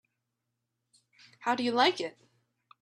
How do you like it?